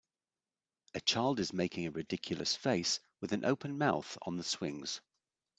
A child is making a ridiculous face with an open mouth on the swings.